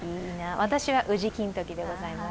私は宇治金時でございます。